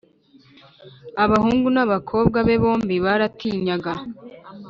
abahungu n,abakobwa be bombi baratinyaga